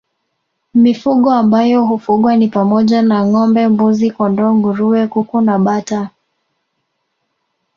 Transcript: Mifugo ambayo hufugwa ni pamoja na ngâombe mbuzi kondoo nguruwe kuku na bata